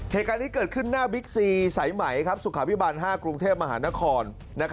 เหตุการณ์นี้เกิดขึ้นหน้าบิ๊กซีสายไหมสุขาพิบาล๕กรุงเทพมหานคร